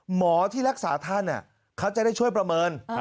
หมอที่รักษาท่านเขาจะได้ช่วยประเมิน